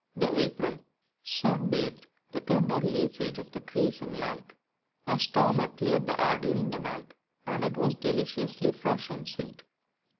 The April sun bathed the tender leafage of the trees in light. A storm had cleared the air during the night and it was deliciously fresh and sweet.